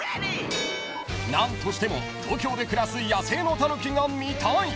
［何としても東京で暮らす野性のタヌキが見たい］